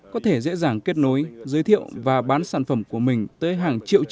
có thể dễ dàng kết nối giới thiệu và bán sản phẩm của mình